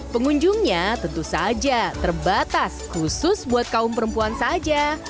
pengunjungnya tentu saja terbatas khusus buat kaum perempuan saja